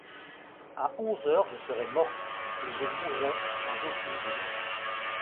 À onze heures je serai morte, et je mourrai sans aucune douleur.